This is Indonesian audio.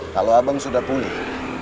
kalau abang sudah pulih